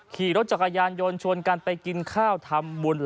ขี่รถจักรยานยนต์ชวนกันไปกินข้าวทำบุญ